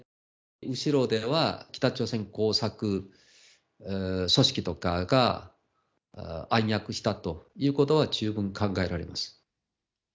後ろでは北朝鮮工作組織とかが暗躍したということは十分考えられます。